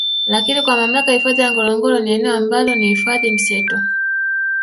Lakini kwa mamlaka ya hifadhi ya Ngorongoro ni eneo ambalo ni hifadhi mseto